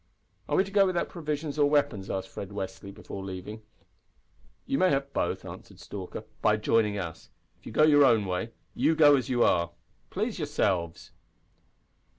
"Are we to go without provisions or weapons?" asked Fred Westly, before leaving. "You may have both," answered Stalker, "by joining us. If you go your own way you go as you are. Please yourselves."